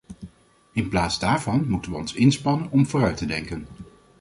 In plaats daarvan moeten we ons inspannen om vooruit te denken.